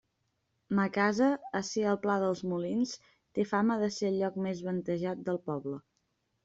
Ma casa, ací al pla dels Molins, té fama de ser el lloc més ventejat del poble.